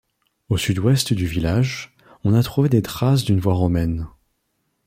Au sud-ouest du village, on a trouvé des traces d'une voie romaine.